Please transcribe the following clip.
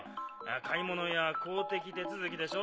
買い物や公的手続きでしょ